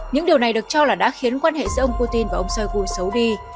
những điều này được cho là đã khiến quan hệ giữa ông putin và ông shoigui xấu đi